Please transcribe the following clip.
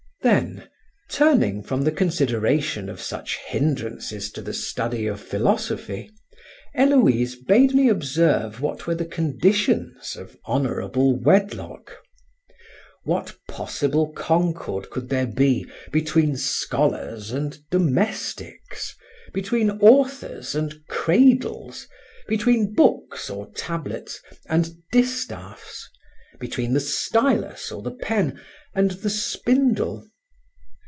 Then, turning from the consideration of such hindrances to the study of philosophy, Héloïse bade me observe what were the conditions of honourable wedlock. What possible concord could there be between scholars and domestics, between authors and cradles, between books or tablets and distaffs, between the stylus or the pen and the spindle?